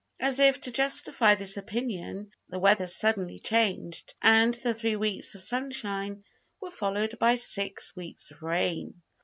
As if to justify this opinion, the weather suddenly changed, and the three weeks of sunshine were followed by six weeks of rain.